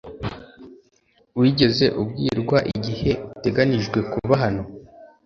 Wigeze ubwirwa igihe uteganijwe kuba hano